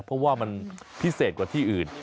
เพราะว่ามันพิเศษกว่าที่อื่น